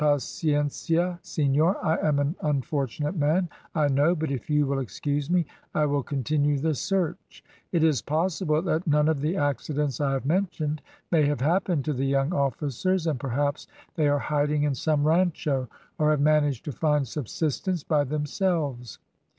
"Paciencia, senor, I am an unfortunate man, I know, but if you will excuse me, I will continue the search; it is possible, that none of the accidents I have mentioned may have happened to the young officers, and perhaps they are hiding in some rancho, or have managed to find subsistence by themselves.